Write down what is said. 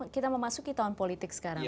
kita memasuki tahun politik sekarang